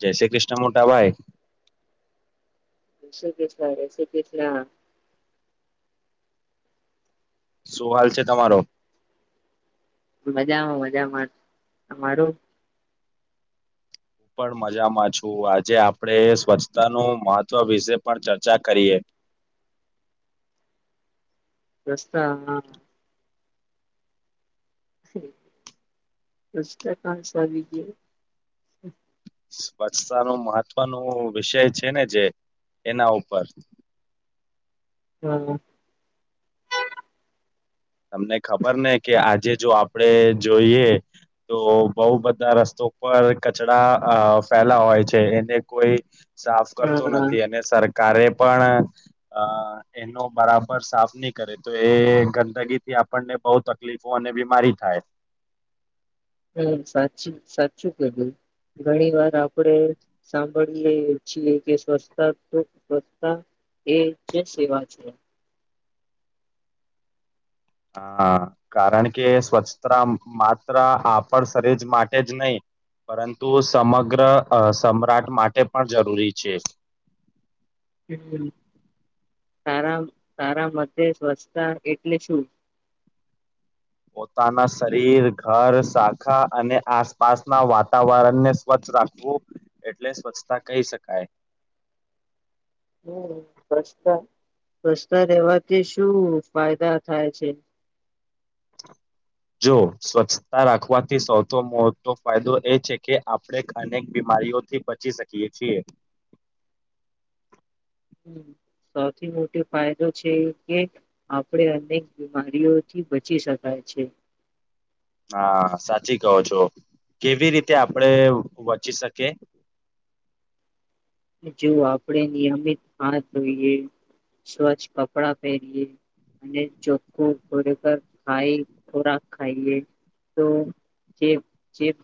જય શ્રી કૃષ્ણ મોટા ભાઈ રસી કેલા રસી કેસલા શું હાલ છે તમારો મજામાં મજામાં મારું હું પણ મજામાં છું આજે આપણેે સ્વચ્છતાનું મહત્વ વિશે પણ ચર્ચા કરીએ વસ્ા હા રસ્તા કંસ આવી ગયા સ્વચ્છતા ન મહત્વનું વિષય છે ને જે એના ઉપર હા તમને ખબર ને કે આજે જો આપડણે જોઈએ તો બહ બધા રસ્તો પર કચડા ફેલા હોય છે એને કોઈ સાફ કરતો હા, નથી અને સર કારે પણ અ એનો બરાબર સાફ નહી કરે તો એ ગંદગી થી આપણને બહ તકલીફો અને બીમારી થાય હમ સાચી સાચું કધું ઘણી વાર આપણેે સાંભળી લ છીએ કે સ્વચછતા તો સ્વચ્છતા એ જે સેવા છે હા કારણ કે સ્વચ્છતા માત્ર આપણ શરીર માટે જ નહી પરંતુ સમગ્ર સમ્રાટ માટે પણ જરૂરી છે હમ, તારા તારા મધ સ્વચ્છતા એટલે શું પોતાના શરીર ઘર શાખા અને આસપાસના વાતાવરણને સ્વચ્છ રાખવું એટલે સ્વચ્છતા કહી શકાય હમ પ્રશ્ન રસ્તા રહેેવાથી શું ફાયદા થાય છે જો સ્વચ્છતા રાખવાથી સૌથી મોટો ફાયદો એ છે કે આપણે અનેક બીમારીઓથી બચી શકીએ છીએ હ સૌથી મોટો ફાયદો છે એ કે આપણે અનેક બીમારીઓથી બચી શકાય છે હા સાચી કહો છો કેવી રીતે આપડે વચી શકીએ જો આપણે નિયમિત હાથ ધોઈએ સ્વચ્છ કપડા પહેરીએ અને ચોખ્ખું ખરેખર ખાય ખોરાક ખાઈએ તો જે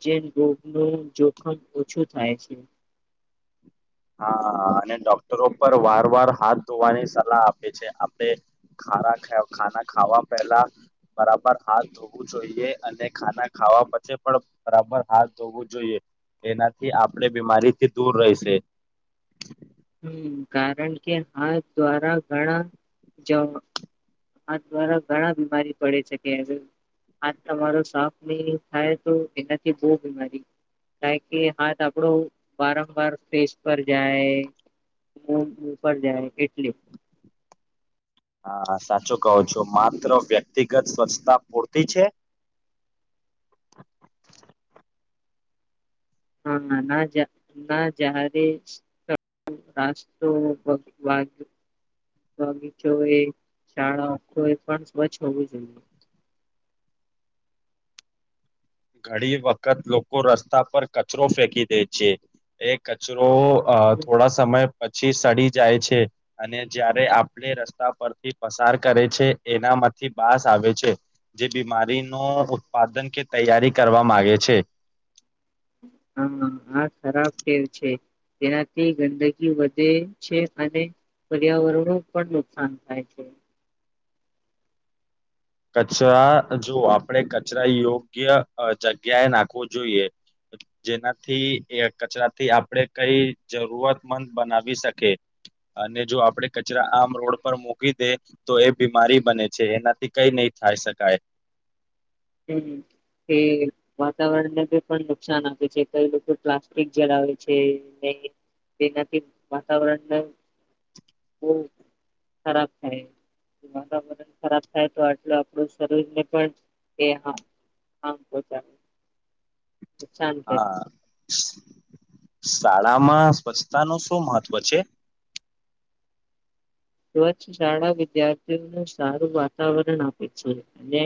જે રોગનું જોખમ ઓછું થાય છે હા અને ડોક્ટરો પર વાર વાર હાથ ધોવાની સલાહ આપે છે આપણે ખ ખાના ખાવા પહેલા બરાબર હાથ ધોવું જોઈએ અને ખાના ખાવા પછી પણ બરાબર હાથ ધોવું જોઈએ એનાથી આપણે બીમારીથી દૂર રહેશે હમ કારણ કે હાથ દ્વારા ઘણા જવા હાથ દ્વારા ઘણા બીમારી પડે શકે હાથ તમારો સાફ નહી થાય તો એનાથી બહુ બીમારી કારણ કે હાથ આપણો વારંવાર ફેસ પર જાય હું ઉપર જાય એટલી હા સાચું કહો છો માત્ર વ્યક્તિગત સ્વચ્છતા પૂરતી છે હા ના ના જાારે રાસ્તોગીચો એ શાળા પણ સ્વચ્છ હોવું જોઈએ ઘણી વખત લોકો રસ્તા પર કચરો ફેંકી દે છે એ કચરો અ થોડા સમય પ પ સડી જાય છે અને જયારે આપણે રસ્તા પરથી પસાર કરે છે એનામાંથી બાસ આવે છે જે બીમારી ન ઉત્પાદન કે તૈયારી કરવા માગે છે હા આ ખરાબ કેવ છે તેનાથી ગંદગી વધે છે અને પર્યાવરણો પણ નુકસાન થાય છે કચરા જો આપણે કચરા યોગ્ય જગ્યાએ નાખવું જોઈએ જેનાથી કચરાથી આપણે કઈ જરૂરતમંદ બનાવી શકે અને જો આપણે કચરા આમ રોડ પર મૂકી દે તો એ બીમારી બને છે એનાથી કઈ નહી થાય શકાય. હમ કે વાતાવરણને પણ નુકસાન આપે છે કઈ લોકો પ્લાસ્ટિક જલાવે છે ન તેનાથી વાતાવરણને બહ ખરાબ થાય વાતાવરણ ખરાબ થાય તો આટલ આપણું શરીરને પણ એ હા હા બ હા સારું. આમાં સ્વચ્છતા નું શું મહત્વ છે? સ્વચ્છ શાળા વિદ્યાર્થીઓનું સારું વાતાવરણ આપે છે અને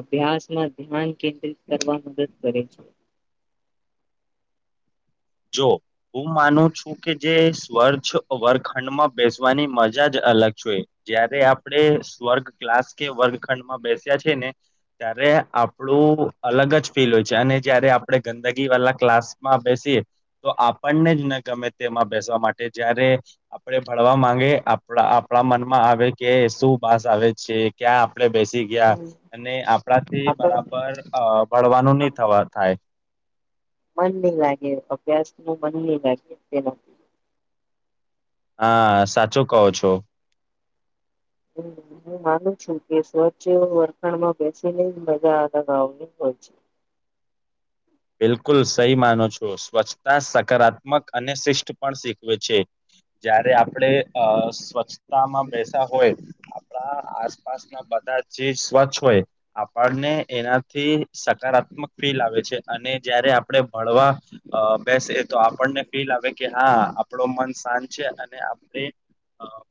અભ્યાસમાં ધ્યાન કેન્દ્રિત કરવા મદદ કરે છે. જો હું માનું છું કે જે સ્વર્ગ વર્ગખંડમાં બેસવાની મજા જ અલગ જોઈ જયારે આપણે સ્વર્ગ ક્લાસ કે વર્ગખંડમાં બેસ્યા છે ને ત્યારે આપણું અલગ જ ફીલ હોય છે અને જયારે આપણે ગંદગી વાલા ક્લાસમાં બેસીએ તો આપણને જ ન ગમે તેમાં બેસવા માટે જયારે આપણે ભણવા માંગે આપ આપણા મનમાં આવે કે શું વાસ આવે છે ક્યાં આપણે બેસી ગયા હમ. અને આપણાથી આપણ બરાબર અ ભણવાનું નઈ થવા થાય. મન નહી લાગે અભ્યાસ નું મન નહી લાગે તેમાં. હા સાચું કહો છો. હ હું માનું છું કે સવચ્છ વરખાણમાં બેસીને મજા [unintelligible] હોય છે. બિલકુલ સહી માનો છો સ્વચ્છતા સકારાત્મક અને શિષ્ટ પણ શીખવે છે જયારે આપણે અ સ્વચ્છતામાં બેસા હોય આપણા આસપાસના બધા જે સ્વચ્છ હોય આપણને એનાથી સકારાત્મક ફીલ આવે છે. અને જયારે આપણે ભણવા અ બેસે તો આપણને ફીલ આવે કે હા આપડો મન શાંત છે અને આપણે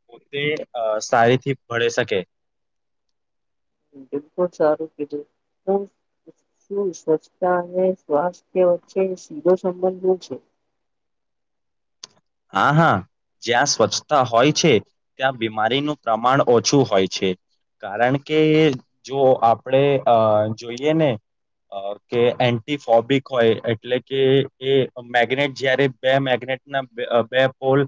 પોતે સારીથી ભણી સકી. બિલકુલ સારું કીધું સ્વચ્છતા અને સ્વાસ્થ્ય વચ્ચે સીધો સંબંધ છે. હા હા જ્યાં સ્વચ્છતા હોય છે ત્યાં બીમારીનું પ્રમાણ ઓછું હોય છે કારણ કે જો આપણે અ જોઈએ ને કે એન્ટીફોબિક હોય એટલે કે એ મેગ્નેટ જયારે બે મેગ્નેટના બે પોલ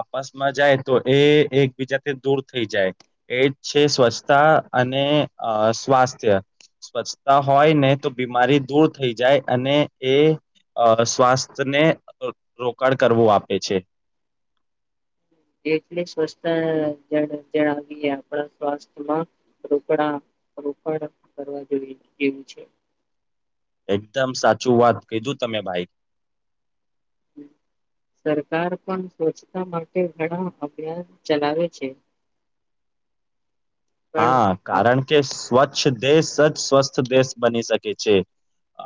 આપસમાં જાય તો એ એકબીજાથી દૂર થઈ જાય એ જ છે સ્વચ્છતા અને અ સ્વાસ્થ્ય સ્વચ્છતા હોય ને તો બીમારી દૂર થઈ જાય અને એ સ્વાસ્થને રોકાણ કરવું આપે એ છે. જેટલી સ્વચ્છતા જણાવીએ આપણા સ્વાસ્થ્યમાં રોકડા રોકાણ કરવા જોઈવું છે. એકદમ સાચું વાત કીધું તમે ભાઈ. સરકાર પણ સ્વચ્છતા માટે ઘણા અભિયાન ચલાવે છે. પણ હા આપ કારણ કે સ્વચ્છ દેશ સચ સ્વસ્થ દેશ બની શકે છે.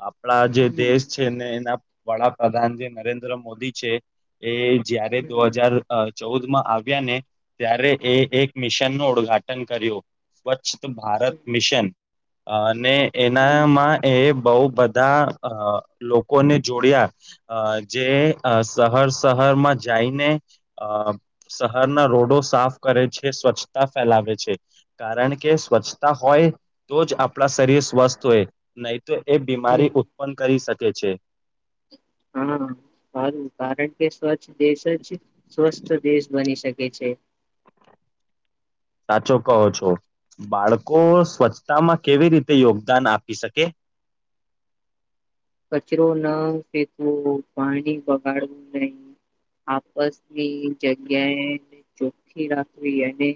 આપણા જે હમ દેશ છે ને એના વડાપ્રધાન જે નરેન્દ્ર મોદી છે એ જયારે દો હમ હજાર અ ચૌદ માં આવ્યા ને ત્યારે એ એક મિશન નું ઉદઘાટન કર્યો સ્વચ્છ ભારત હમ મિશન હા. અને હમ એનામાં એ બઉ બધા અ લોકોને જોડયા જે શહર શહરમાં જઈને અ શહરના રોડો સાફ કરે છે સ્વચ્છતા ફેલાવે છે. કારણ કે સ્વચ્છતા હોય તો જ આપણા શરીર સ્વસ્થ હોય ન એ બીમારી હમ ઉત્પન્ન કરી શકે. કે છે. હા સારું કારણ કે સ્વ દેશ જ સ્વસ્થ દેશ બની શકે. છે [inaudible] સાચો કહો છો, બાળકો સ્વચ્છતામાં કેવી રીતે યોગદાન આપી શકે? કચરો ન ફેકવો પાણી વગાડવું નહી, આપસની જગ્યાએ ચોખ્ખી રાખવી અને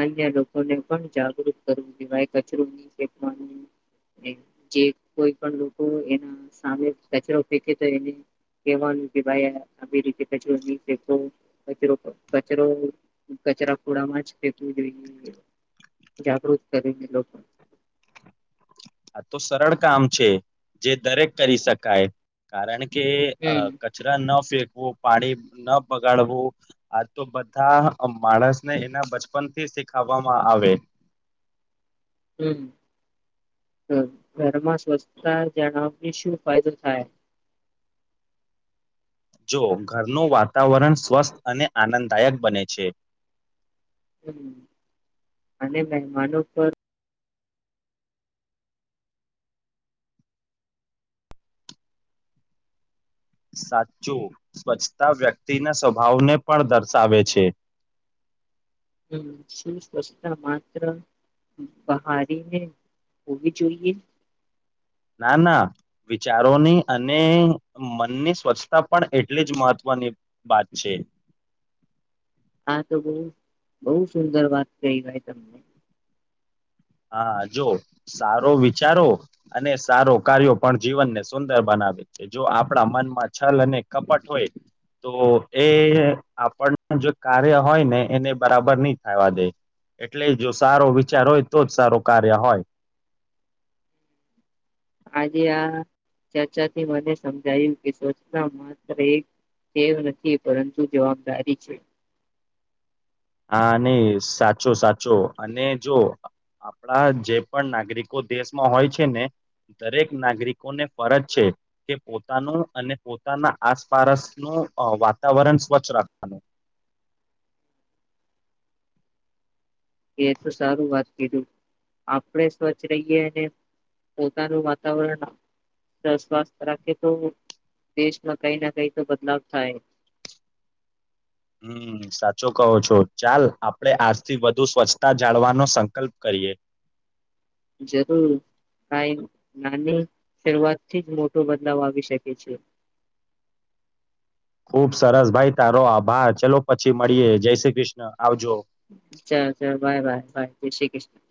અન્ય લોકોને પણ જાગૃત કરવું કવાય કચરો ન ફેકવાનું જે કોઈ પણ લોકો એના સામે કચરો ફેંકે તો એને કવાનું કે ભાઈ આવી રીતે કચરો નહી, ફેકો કચરો કચરો કચરા ખોડામાં જ ફેંકવું જોઈ જાગૃત કરેને લોકો આ તો સરળ કામ છે, જે દરેક કરી શકાય કારણ કે હમ કચરા ન ફેક પાણી ન બગાડવું આ તો બધા માણસને એના બચપન થી શીખાવામાં આવે, હમ્મ હમ્મ ઘરમાં સ્વચ્છતા જાણાવને શું ફાયદો થાય, જો ઘરનું વાતાવરણ સ્વસ્થ અને આનંદદાયક બને છે, હમ્મ અને મેહેમાનો પર સાચો સ્વચ્છતા વ્યક્તિના સ્વભાવને પણ દર્શાવે છે. હમ્મ સુસ્વચ્છતા માત્ર બહારીને હોવી જોઈએ, ના ના વિચારોની અને મનની સ્વચ્છતા પણ એટલી જ મહત્વની વાત છે, હા તો બહ બહુ સુંદર વાત કહીવાય તમને હા જો સારો વિચારો અને સારો કાર્યો પણ જીવનને સુંદર બનાવે છે, જો આપણા મનમાં છલ અને કપટ હોય તો એ આપણ જો કાર્ય હોય ને એને બરાબર નહી, થાવા દે એટલે જો સારો વિચાર હોય તો જ સારું કાર્ય હોય આજે આ ચર્ચાથી મને સમજાયું કે સચના માત્ર એકવ નથી પરંતુ જવાબદારી છે. હા નહી સાચો સાચો અને જો આપણા જે પણ નાગરિકો દેશમાં હોય છે, ને દરેક નાગરિકોને ફરજ છે, કે પોતાનું અને પોતાના આસપાસનું વાતાવરણ સ્વચ્છ રાખવાનું. એ તો સારું વાત કીધું આપણે સ્વચ્છ રહીએ અને પોતાનું વાતાવરણ સ્વસ્થ રાખીએ તો દેશમાં કઈ ના કઈ તો બદલાવ થાય હમ સાચો કહો છો, ચાલ આપણે આજથી વધુ સ્વચ્છતા જાળવાનો સંકલ્પ કરીએ, જરૂર કઈ નાની શરૂઆતથી જ મોટો બદલાવ આવી શકે છે. ખુબ સરસ ભાઈ તારો આભા ચલો પછી મળીએ જય શ્રી કૃષ્ણ આવજો. ચાલ ચાલ બાય બાય બાય જય શ્રી કૃષ્ણ